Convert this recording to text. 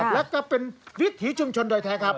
แล้วก็เป็นวิถีชุมชนโดยแท้ครับ